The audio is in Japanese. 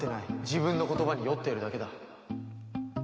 自分の言葉に酔っているだけだ。